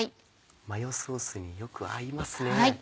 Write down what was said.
マヨソースによく合いますね。